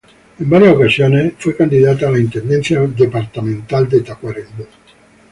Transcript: En varias ocasiones fue candidata a la Intendencia Departamental de Tacuarembó.